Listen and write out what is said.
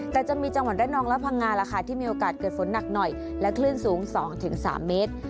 แต่จะมีจังหวัดระนองและพังงาล่ะค่ะที่มีโอกาสเกิดฝนหนักหน่อยและคลื่นสูง๒๓เมตร